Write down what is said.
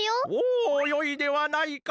おおよいではないか。